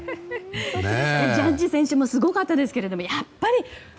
ジャッジ選手もすごかったですけど何しろ